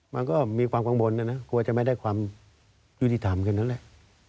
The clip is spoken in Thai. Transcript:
มันก็มีความกังวลนะนะกลัวจะไม่ได้ความยุติธรรมกันนั่นแหละ